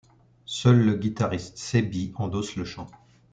Seul le guitariste Sebi endosse le chant.